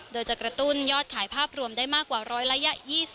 โดยจะกระตุ้นยอดขายภาพรวมได้มากกว่า๑๒๐